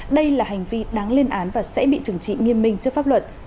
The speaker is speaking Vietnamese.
đây là hành vi đáng lên án và sẽ bị trừng trị nghiêm minh trước pháp luật